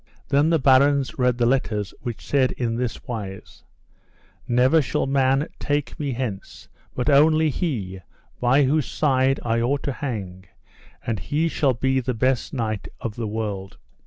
Then the barons read the letters which said in this wise: Never shall man take me hence, but only he by whose side I ought to hang, and he shall be the best knight of the world.